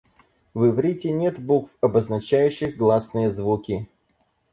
В иврите нет букв, обозначающих гласные звуки.